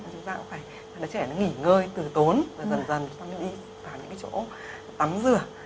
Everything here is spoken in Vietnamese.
chúng ta cũng phải cho đứa trẻ nó nghỉ ngơi từ tốn và dần dần nó đi vào những cái chỗ tắm dừa